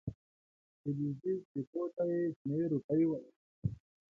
فلزي سکو ته یې شنې روپۍ ویلې.